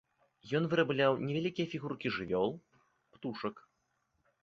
Ён вырабляў невялікія фігуркі жывёл, птушак.